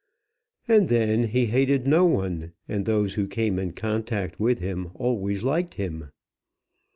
And then he hated no one, and those who came in contact with him always liked him.